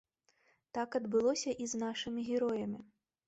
Так адбылося і з нашымі героямі.